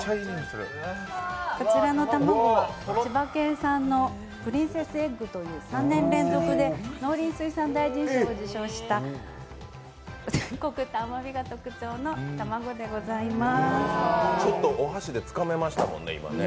こちらの卵、千葉県産のぷりんセス・エッグという３年連続で農林水産大臣賞を受賞した、甘みが特徴の卵でございます。